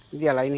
ini dia lah ini